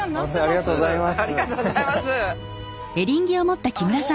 ありがとうございます。